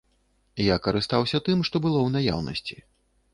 Я карыстаўся тым, што было ў наяўнасці.